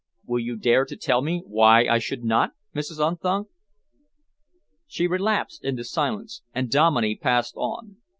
"Will you dare to tell me why I should not, Mrs. Unthank?" She relapsed into silence, and Dominey passed on.